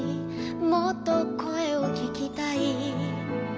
「もっとこえをききたい」